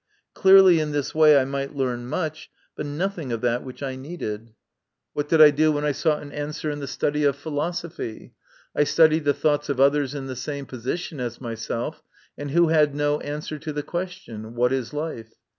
Clearly in this way I might learn much, but nothing of that which I needed. 90 MY CONFESS/ON. What did I do when I sought an answer in the study of philosophy ? I studied the thoughts of others in the same position as myself, and who had no answer to the question what is life